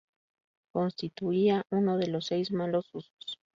Constituía uno de los seis malos usos.